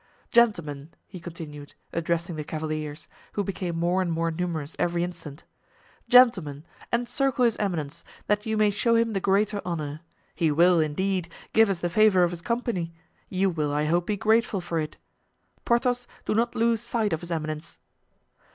Gentlemen," he continued, addressing the cavaliers, who became more and more numerous every instant; "gentlemen, encircle his eminence, that you may show him the greater honor. He will, indeed give us the favor of his company; you will, I hope, be grateful for it; Porthos, do not lose sight of his eminence."